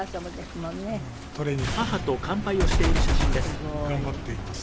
すごい。頑張っています。